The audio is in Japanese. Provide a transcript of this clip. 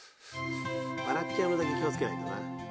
笑っちゃうのだけ気を付けないとな。